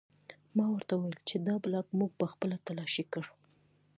ما ورته وویل چې دا بلاک موږ پخپله تلاشي کړ